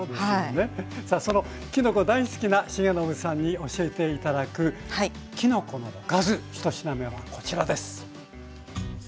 さあそのきのこ大好きな重信さんに教えて頂くきのこのおかず１品目はこちらです。